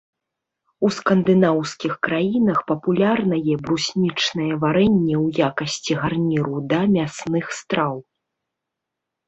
У скандынаўскіх краінах папулярнае бруснічнае варэнне ў якасці гарніру да мясных страў.